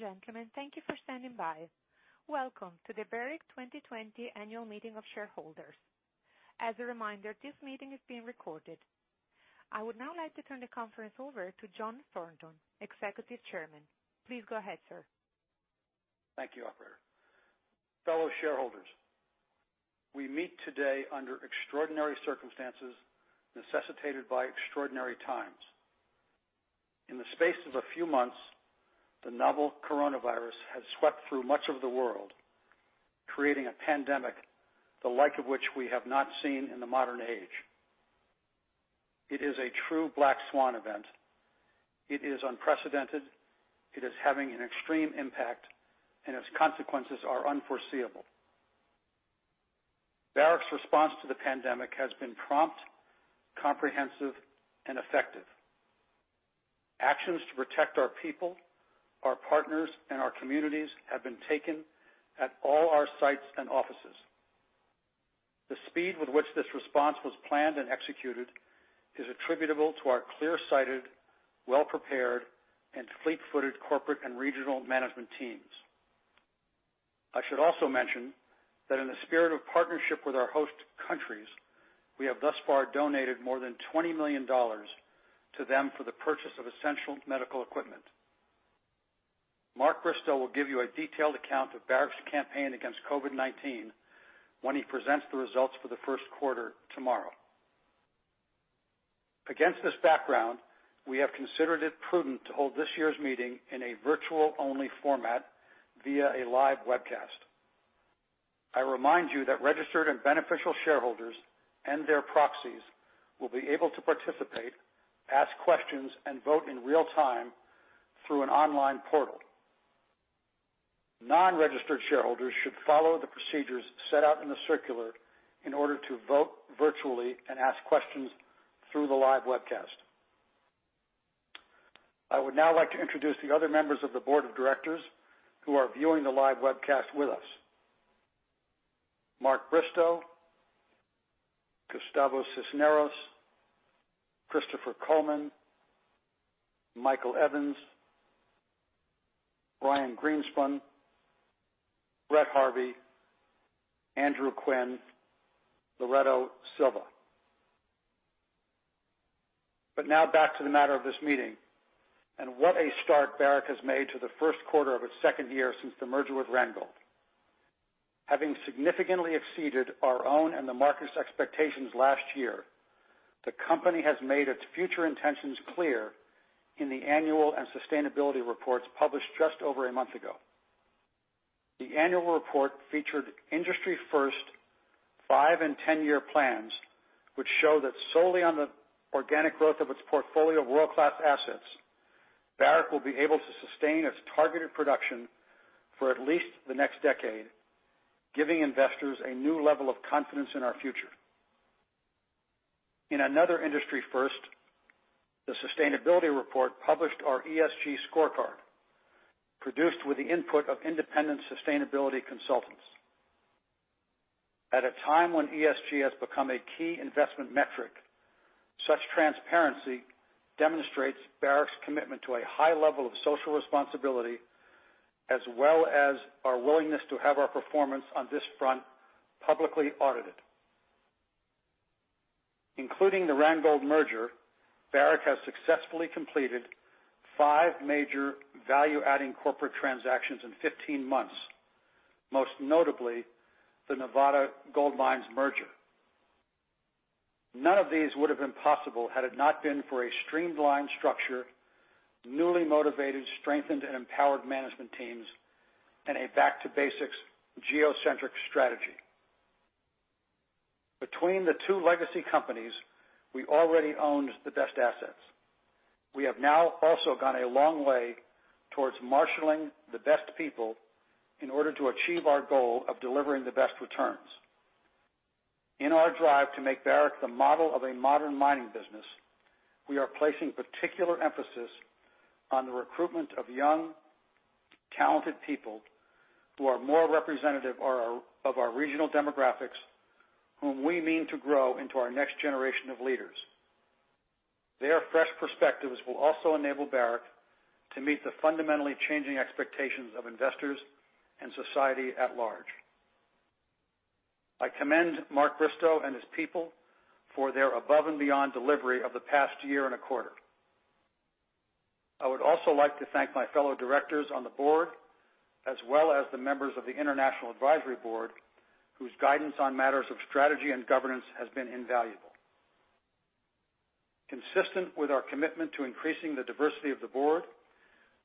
Ladies and gentlemen, thank you for standing by. Welcome to the Barrick 2020 Annual Meeting of Shareholders. As a reminder, this meeting is being recorded. I would now like to turn the conference over to John Thornton, Executive Chairman. Please go ahead, sir. Thank you, operator. Fellow shareholders, we meet today under extraordinary circumstances necessitated by extraordinary times. In the space of a few months, the novel coronavirus has swept through much of the world, creating a pandemic, the like of which we have not seen in the modern age. It is a true black swan event. It is unprecedented, it is having an extreme impact, and its consequences are unforeseeable. Barrick's response to the pandemic has been prompt, comprehensive, and effective. Actions to protect our people, our partners, and our communities have been taken at all our sites and offices. The speed with which this response was planned and executed is attributable to our clear-sighted, well-prepared, and fleet-footed corporate and regional management teams. I should also mention that in the spirit of partnership with our host countries, we have thus far donated more than $20 million to them for the purchase of essential medical equipment. Mark Bristow will give you a detailed account of Barrick's campaign against COVID-19 when he presents the results for the first quarter tomorrow. Against this background, we have considered it prudent to hold this year's meeting in a virtual-only format via a live webcast. I remind you that registered and beneficial shareholders and their proxies will be able to participate, ask questions, and vote in real time through an online portal. Non-registered shareholders should follow the procedures set out in the circular in order to vote virtually and ask questions through the live webcast. I would now like to introduce the other members of the Board of Directors who are viewing the live webcast with us. Mark Bristow, Gustavo Cisneros, Christopher Coleman, Michael Evans, Brian Greenspun, Brett Harvey, Andrew Quinn, Loreto Silva. Now back to the matter of this meeting, and what a start Barrick has made to the first quarter of its second year since the merger with Randgold. Having significantly exceeded our own and the market's expectations last year, the company has made its future intentions clear in the annual and sustainability reports published just over a month ago. The annual report featured industry first five- and 10-year plans, which show that solely on the organic growth of its portfolio of world-class assets, Barrick will be able to sustain its targeted production for at least the next decade, giving investors a new level of confidence in our future. In another industry first, the sustainability report published our ESG scorecard, produced with the input of independent sustainability consultants. At a time when ESG has become a key investment metric, such transparency demonstrates Barrick's commitment to a high level of social responsibility, as well as our willingness to have our performance on this front publicly audited. Including the Randgold merger, Barrick has successfully completed five major value-adding corporate transactions in 15 months, most notably the Nevada Gold Mines merger. None of these would've been possible had it not been for a streamlined structure, newly motivated, strengthened, and empowered management teams, and a back to basics geocentric strategy. Between the two legacy companies, we already owned the best assets. We have now also gone a long way towards marshaling the best people in order to achieve our goal of delivering the best returns. In our drive to make Barrick the model of a modern mining business, we are placing particular emphasis on the recruitment of young, talented people who are more representative of our regional demographics, whom we mean to grow into our next generation of leaders. Their fresh perspectives will also enable Barrick to meet the fundamentally changing expectations of investors and society at large. I commend Mark Bristow and his people for their above and beyond delivery of the past year and a quarter. I would also like to thank my fellow directors on the board, as well as the members of the International Advisory Board, whose guidance on matters of strategy and governance has been invaluable. Consistent with our commitment to increasing the diversity of the board,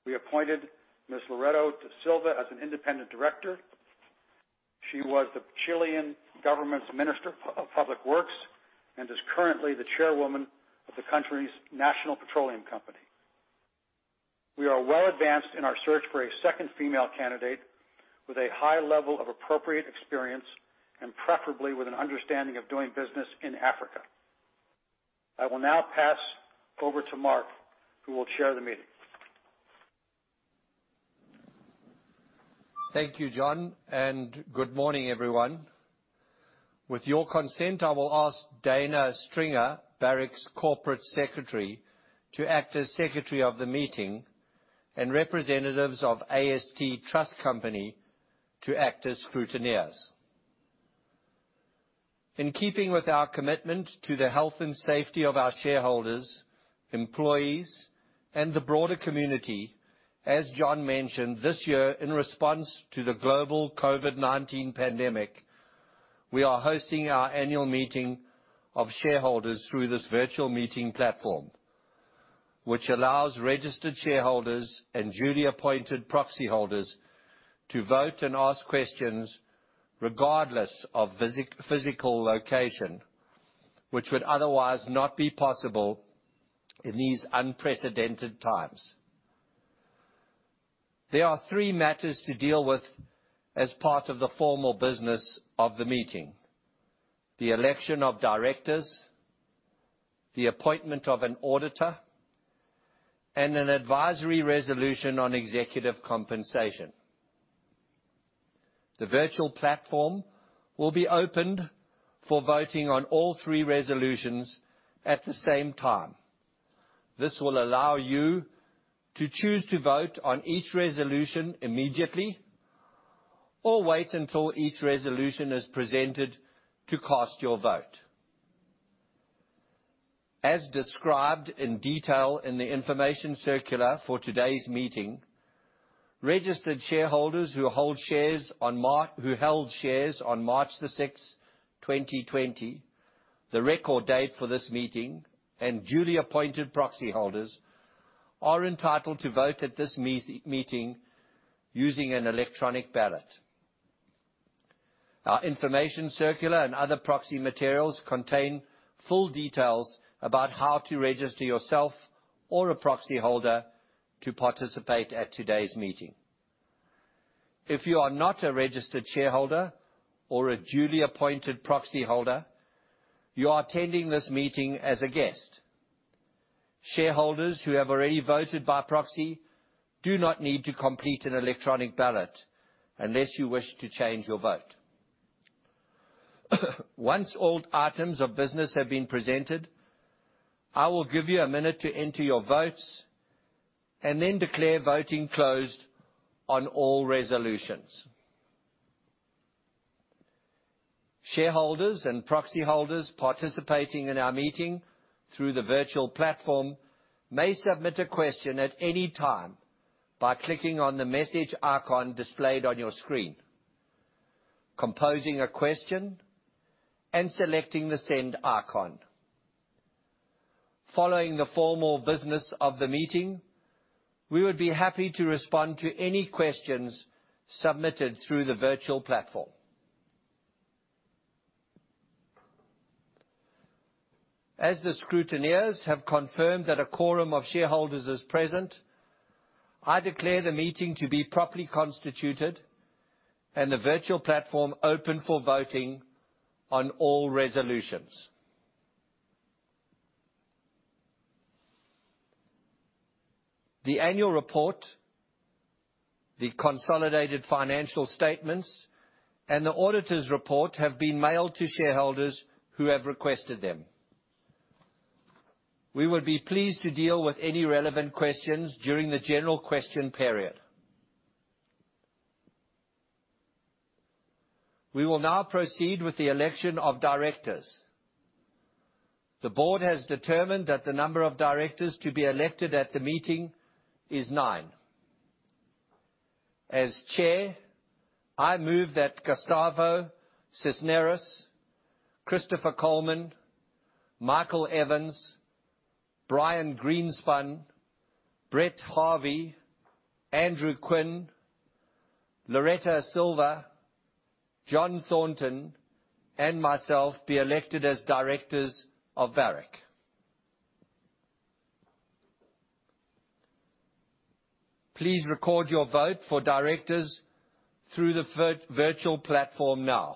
we appointed Ms. Loreto Silva as an independent director. She was the Chilean government's Minister of Public Works and is currently the chairwoman of the country's national petroleum company. We are well advanced in our search for a second female candidate with a high level of appropriate experience and preferably with an understanding of doing business in Africa. I will now pass over to Mark, who will chair the meeting. Thank you, John. Good morning, everyone. With your consent, I will ask Dana Stringer, Barrick's Corporate Secretary, to act as Secretary of the meeting and representatives of AST Trust Company to act as scrutineers. In keeping with our commitment to the health and safety of our shareholders, employees, and the broader community, as John mentioned, this year in response to the global COVID-19 pandemic, we are hosting our annual meeting of shareholders through this virtual meeting platform, which allows registered shareholders and duly appointed proxy holders to vote and ask questions regardless of physical location, which would otherwise not be possible in these unprecedented times. There are three matters to deal with as part of the formal business of the meeting, the election of directors, the appointment of an auditor, and an advisory resolution on executive compensation. The virtual platform will be opened for voting on all three resolutions at the same time. This will allow you to choose to vote on each resolution immediately or wait until each resolution is presented to cast your vote. As described in detail in the information circular for today's meeting, registered shareholders who held shares on March the 6th, 2020, the record date for this meeting, and duly appointed proxy holders, are entitled to vote at this meeting using an electronic ballot. Our information circular and other proxy materials contain full details about how to register yourself or a proxy holder to participate at today's meeting. If you are not a registered shareholder or a duly appointed proxy holder, you are attending this meeting as a guest. Shareholders who have already voted by proxy do not need to complete an electronic ballot unless you wish to change your vote. Once all items of business have been presented, I will give you a minute to enter your votes and then declare voting closed on all resolutions. Shareholders and proxy holders participating in our meeting through the virtual platform may submit a question at any time by clicking on the message icon displayed on your screen, composing a question, and selecting the send icon. Following the formal business of the meeting, we would be happy to respond to any questions submitted through the virtual platform. As the scrutineers have confirmed that a quorum of shareholders is present, I declare the meeting to be properly constituted and the virtual platform open for voting on all resolutions. The annual report, the consolidated financial statements, and the auditor's report have been mailed to shareholders who have requested them. We would be pleased to deal with any relevant questions during the general question period. We will now proceed with the election of directors. The board has determined that the number of directors to be elected at the meeting is nine. As Chair, I move that Gustavo Cisneros, Christopher Coleman, Michael Evans, Brian Greenspun, Brett Harvey, Andrew Quinn, Loreto Silva, John Thornton, and myself be elected as directors of Barrick. Please record your vote for directors through the virtual platform now.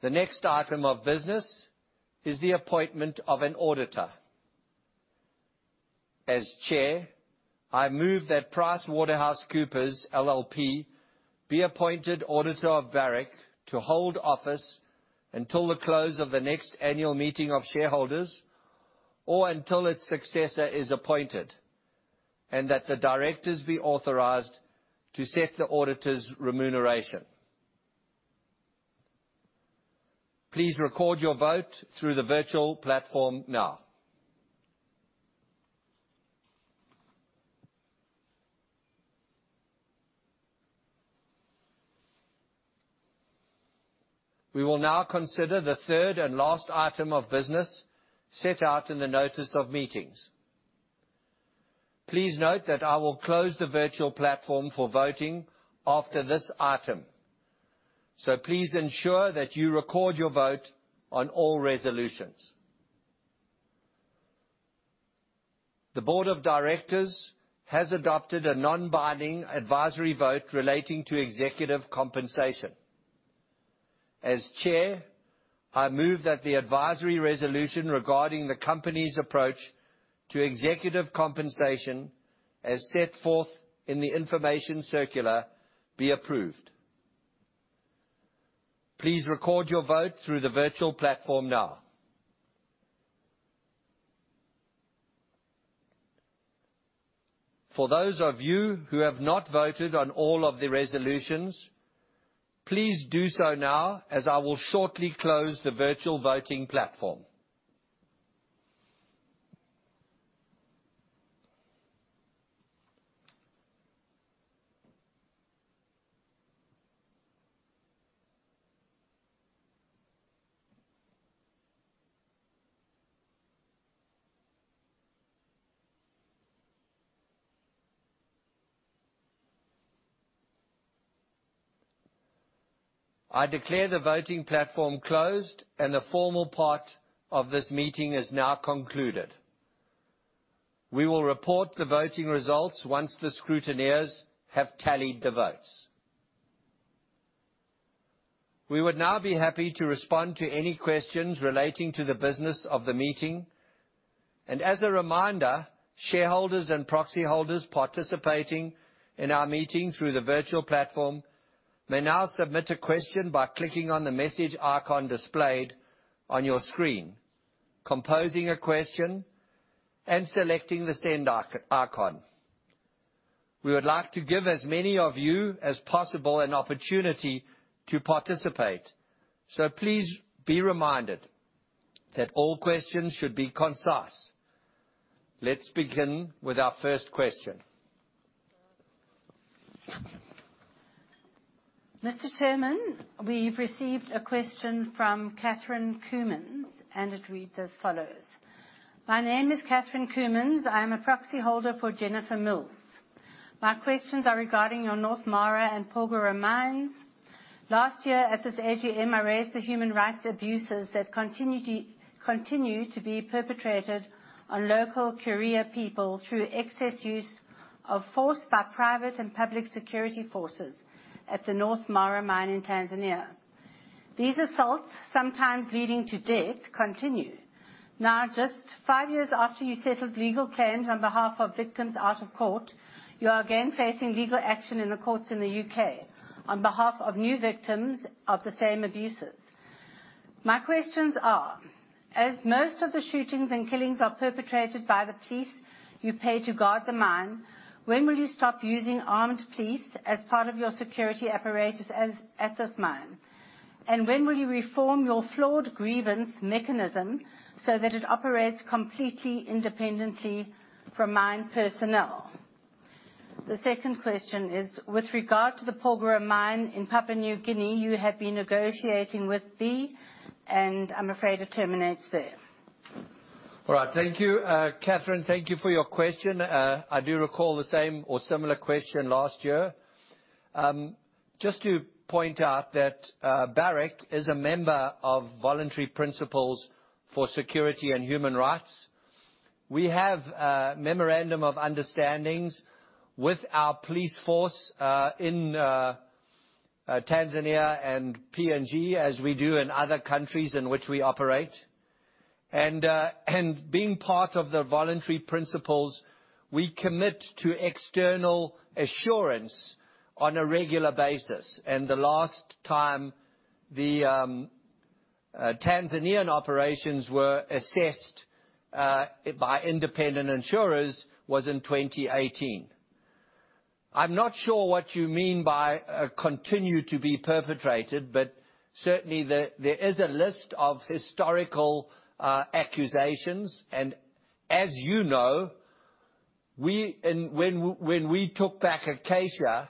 The next item of business is the appointment of an auditor. As Chair, I move that PricewaterhouseCoopers LLP be appointed auditor of Barrick to hold office until the close of the next annual meeting of shareholders, or until its successor is appointed, and that the directors be authorized to set the auditor's remuneration. Please record your vote through the virtual platform now. We will now consider the third and last item of business set out in the notice of meetings. Please note that I will close the virtual platform for voting after this item. Please ensure that you record your vote on all resolutions. The board of directors has adopted a non-binding advisory vote relating to executive compensation. As chair, I move that the advisory resolution regarding the company's approach to executive compensation, as set forth in the information circular, be approved. Please record your vote through the virtual platform now. For those of you who have not voted on all of the resolutions, please do so now, as I will shortly close the virtual voting platform. I declare the voting platform closed, and the formal part of this meeting is now concluded. We will report the voting results once the scrutineers have tallied the votes. We would now be happy to respond to any questions relating to the business of the meeting. As a reminder, shareholders and proxy holders participating in our meeting through the virtual platform may now submit a question by clicking on the message icon displayed on your screen, composing a question, and selecting the send icon. We would like to give as many of you as possible an opportunity to participate. Please be reminded that all questions should be concise. Let's begin with our first question. Mr. Chairman, we've received a question from Catherine Coumans, and it reads as follows. "My name is Catherine Coumans. I am a proxy holder for Jennifer Mills. My questions are regarding your North Mara and Porgera mines. Last year at this AGM, I raised the human rights abuses that continue to be perpetrated on local Kuria people through excess use of force by private and public security forces at the North Mara mine in Tanzania. These assaults, sometimes leading to death, continue. Now, just five years after you settled legal claims on behalf of victims out of court, you are again facing legal action in the courts in the U.K. on behalf of new victims of the same abuses. My questions are, as most of the shootings and killings are perpetrated by the police you pay to guard the mine, when will you stop using armed police as part of your security apparatus at this mine? When will you reform your flawed grievance mechanism so that it operates completely independently from mine personnel? The second question is, with regard to the Porgera Gold Mine in Papua New Guinea you have been negotiating with the." I'm afraid it terminates there. All right. Thank you, Catherine. Thank you for your question. I do recall the same or similar question last year. Just to point out that Barrick is a member of Voluntary Principles on Security and Human Rights. We have memorandum of understandings with our police force in Tanzania and PNG, as we do in other countries in which we operate. Being part of the Voluntary Principles, we commit to external assurance on a regular basis. The last time the Tanzanian operations were assessed by independent insurers was in 2018. I'm not sure what you mean by continue to be perpetrated, but certainly there is a list of historical accusations. As you know, when we took back Acacia,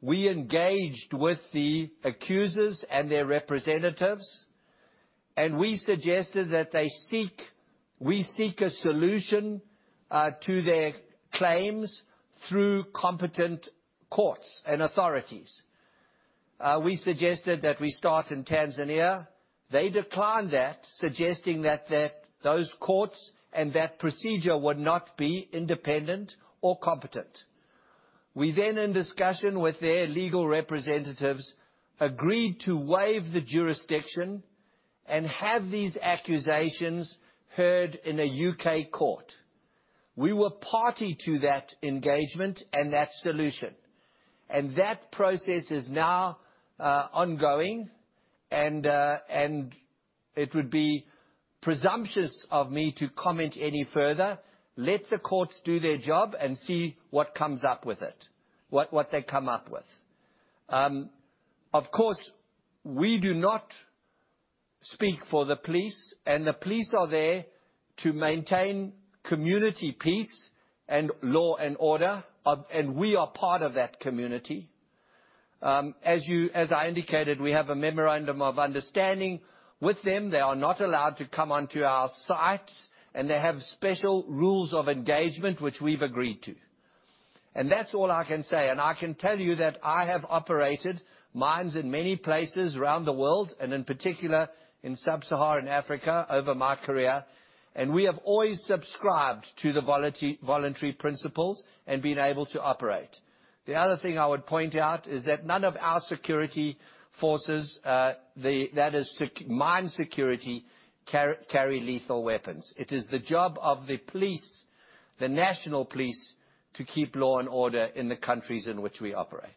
we engaged with the accusers and their representatives, and we suggested that we seek a solution to their claims through competent courts and authorities. We suggested that we start in Tanzania. They declined that, suggesting that those courts and that procedure would not be independent or competent. We, in discussion with their legal representatives, agreed to waive the jurisdiction and have these accusations heard in a U.K. court. We were party to that engagement and that solution, and that process is now ongoing. It would be presumptuous of me to comment any further. Let the courts do their job and see what they come up with. Of course, we do not speak for the police, and the police are there to maintain community peace and law and order, and we are part of that community. As I indicated, we have a memorandum of understanding with them. They are not allowed to come onto our sites, and they have special rules of engagement, which we've agreed to. That's all I can say. I can tell you that I have operated mines in many places around the world, and in particular, in sub-Saharan Africa over my career, and we have always subscribed to the Voluntary Principles and been able to operate. The other thing I would point out is that none of our security forces, that is mine security, carry lethal weapons. It is the job of the police, the national police, to keep law and order in the countries in which we operate.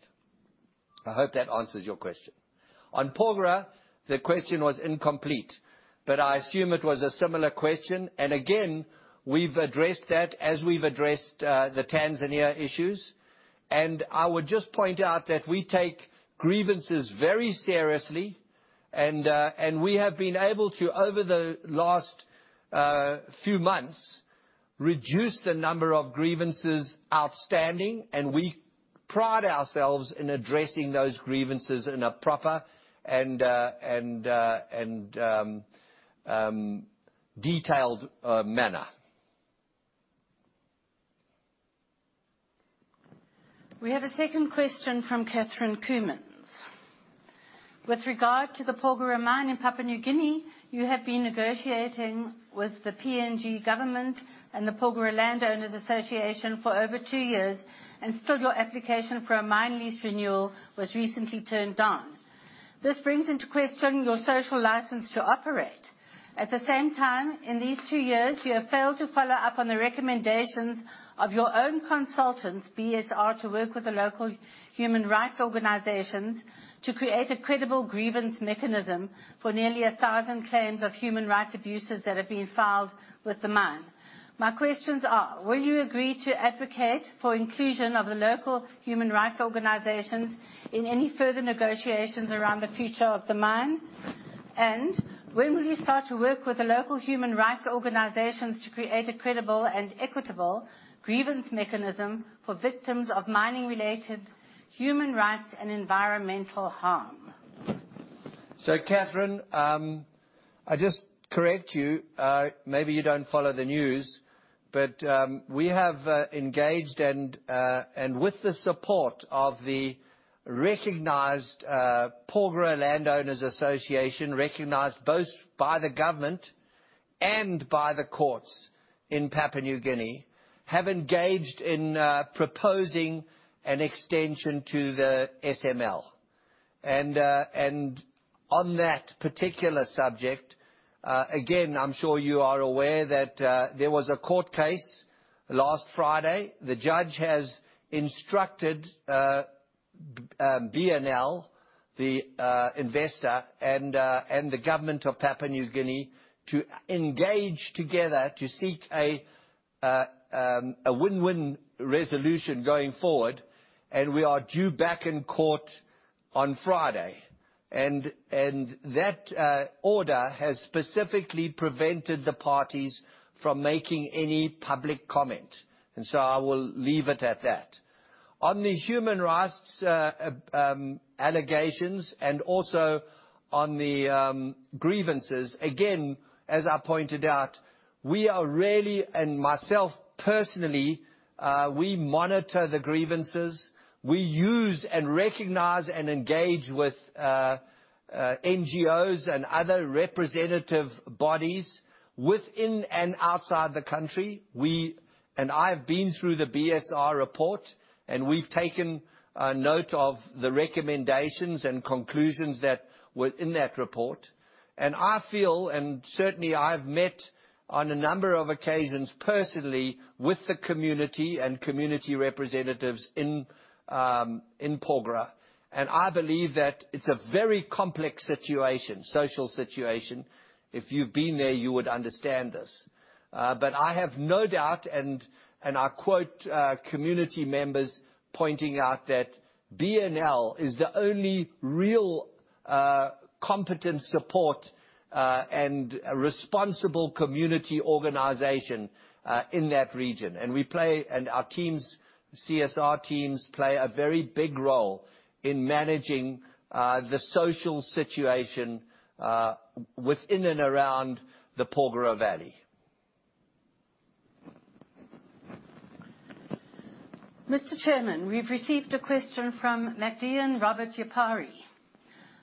I hope that answers your question. On Porgera, the question was incomplete, but I assume it was a similar question. Again, we've addressed that as we've addressed the Tanzania issues. I would just point out that we take grievances very seriously. We have been able to, over the last few months, reduce the number of grievances outstanding, and we pride ourselves in addressing those grievances in a proper and detailed manner. We have a second question from Catherine Coumans. With regard to the Porgera mine in Papua New Guinea, you have been negotiating with the PNG government and the Porgera Landowners Association for over two years, still your application for a mine lease renewal was recently turned down. This brings into question your social license to operate. At the same time, in these two years, you have failed to follow up on the recommendations of your own consultants, BSR, to work with the local human rights organizations to create a credible grievance mechanism for nearly 1,000 claims of human rights abuses that have been filed with the mine. My questions are, will you agree to advocate for inclusion of the local human rights organizations in any further negotiations around the future of the mine? When will you start to work with the local human rights organizations to create a credible and equitable grievance mechanism for victims of mining-related human rights and environmental harm? Catherine, I just correct you, maybe you don't follow the news. We have engaged, and with the support of the recognized Porgera Landowners Association, recognized both by the government and by the courts in Papua New Guinea, have engaged in proposing an extension to the SML. On that particular subject, again, I'm sure you are aware that there was a court case last Friday. The judge has instructed BNL, the investor, and the government of Papua New Guinea to engage together to seek a win-win resolution going forward, and we are due back in court on Friday. That order has specifically prevented the parties from making any public comment. I will leave it at that. On the human rights allegations and also on the grievances, again, as I pointed out, we are really, and myself personally, we monitor the grievances. We use and recognize and engage with NGOs and other representative bodies within and outside the country. I've been through the BSR report, and we've taken note of the recommendations and conclusions that were in that report. I feel, and certainly I've met on a number of occasions personally with the community and community representatives in Porgera, and I believe that it's a very complex situation, social situation. If you've been there, you would understand this. I have no doubt, and I quote community members pointing out that BNL is the only real competent support and responsible community organization in that region. Our CSR teams play a very big role in managing the social situation within and around the Porgera Valley. Mr. Chairman, we've received a question from McDiyan Robert Yapari.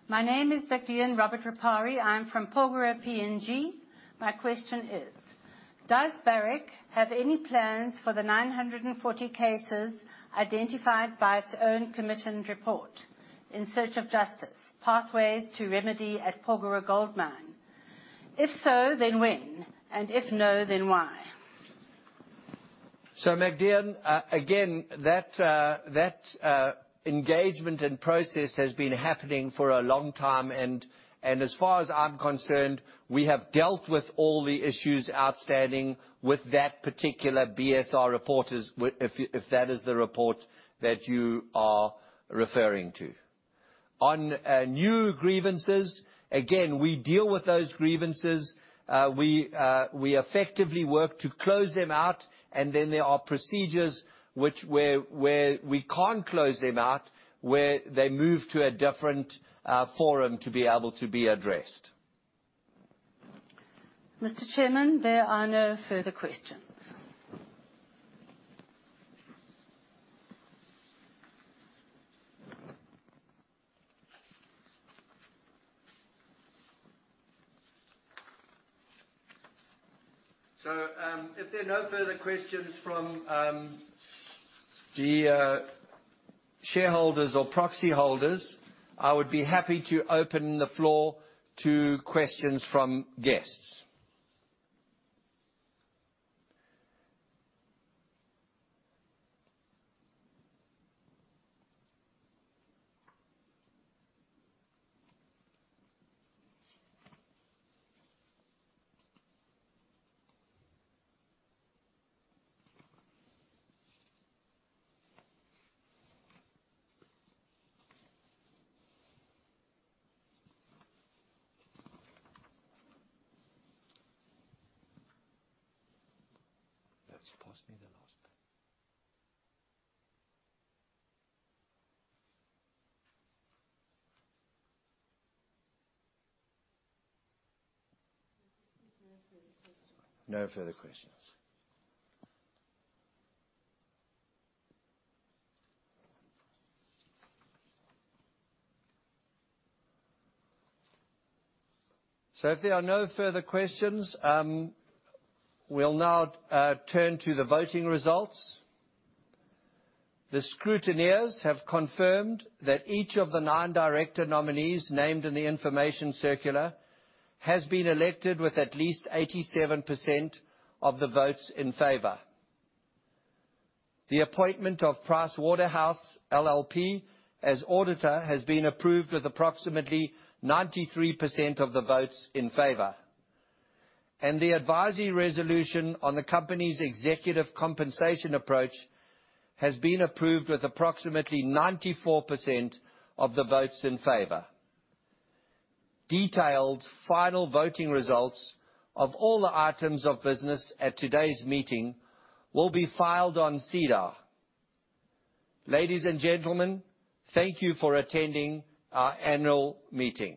My name is McDiyan Robert Yapari. I'm from Porgera, PNG. My question is, does Barrick have any plans for the 940 cases identified by its own commissioned report, In Search of Justice: Pathways to Remedy at Porgera Gold Mine? If so, then when? If no, then why? McDiyan, again, that engagement and process has been happening for a long time, and as far as I'm concerned, we have dealt with all the issues outstanding with that particular BSR report, if that is the report that you are referring to. On new grievances, again, we deal with those grievances. We effectively work to close them out, and then there are procedures which where we can't close them out, where they move to a different forum to be able to be addressed. Mr. Chairman, there are no further questions. If there are no further questions from the shareholders or proxy holders, I would be happy to open the floor to questions from guests. Let's pass me the last. There's no further questions. If there are no further questions, we'll now turn to the voting results. The scrutineers have confirmed that each of the non-director nominees named in the information circular has been elected with at least 87% of the votes in favor. The appointment of PricewaterhouseCoopers LLP as auditor has been approved with approximately 93% of the votes in favor. The advisory resolution on the company's executive compensation approach has been approved with approximately 94% of the votes in favor. Detailed final voting results of all the items of business at today's meeting will be filed on SEDAR. Ladies and gentlemen, thank you for attending our annual meeting.